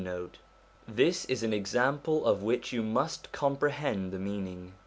1 This is an example of which you must comprehend the meaning.